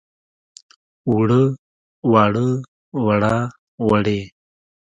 ووړ، واړه، وړه، وړې.